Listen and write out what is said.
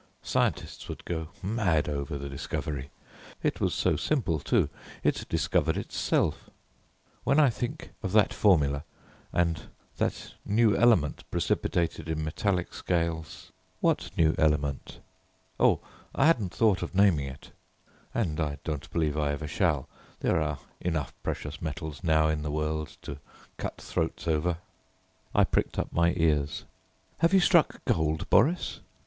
Scientists would go mad over the discovery. It was so simple too; it discovered itself. When I think of that formula, and that new element precipitated in metallic scales " "What new element?" "Oh, I haven't thought of naming it, and I don't believe I ever shall. There are enough precious metals now in the world to cut throats over." I pricked up my ears. "Have you struck gold, Boris?"